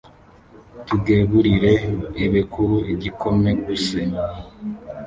Tugeburire ebekuru igikome guse